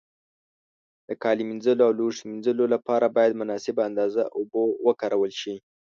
د کالي مینځلو او لوښو مینځلو له پاره باید مناسبه اندازه اوبو وکارول شي.